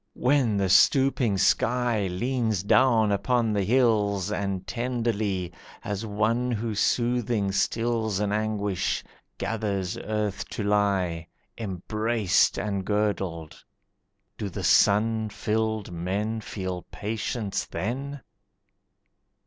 When the stooping sky Leans down upon the hills And tenderly, as one who soothing stills An anguish, gathers earth to lie Embraced and girdled. Do the sun filled men Feel patience then?